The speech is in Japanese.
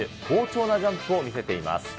好調なジャンプを見せています。